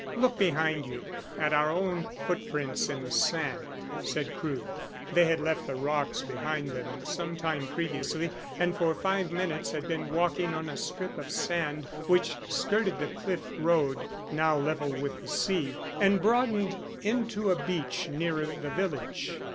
"Look behind you, at our own footprints in the sand," said Crewe. They had left the rocks behind them some time previously and for five minutes had been walking on a strip of sand which skirted the cliff road now level with the sea and broadened into a beach nearer the village.